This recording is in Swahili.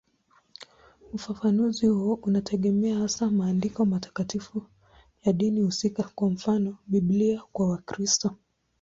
Ufafanuzi huo unategemea hasa maandiko matakatifu ya dini husika, kwa mfano Biblia kwa Wakristo.